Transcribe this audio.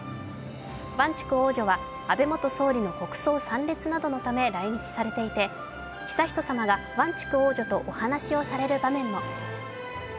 ワンチュク王女は安倍元総理の国葬参列などのため来日されていて悠仁さまがワンチュク王女とお話をされる場面も。